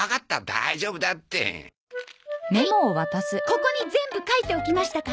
ここに全部書いておきましたから。